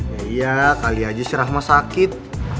gak pedih aja si rahma sakit